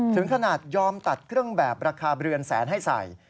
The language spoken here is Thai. ถึงขนาดยอมตัดเครื่องแบบราคาเรือนแสนให้ใส่